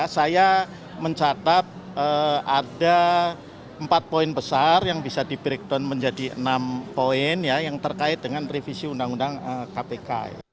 saya mencatat ada empat poin besar yang bisa di breakdown menjadi enam poin yang terkait dengan revisi undang undang kpk